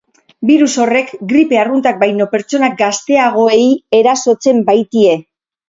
Birus horrek, gripe arruntak baino pertsona gazteagoei erasotzen baitie.